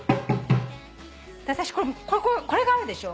これがあるでしょ？